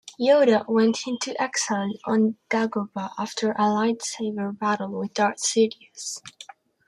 Yoda went into exile on Dagobah after a lightsaber battle with Darth Sidious.